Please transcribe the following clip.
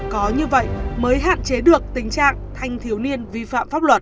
có như vậy mới hạn chế được tình trạng thanh thiếu niên vi phạm pháp luật